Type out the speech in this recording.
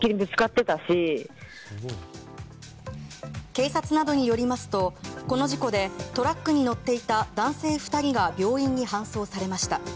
警察などによりますとこの事故でトラックに乗っていた男性２人が病院に搬送されました。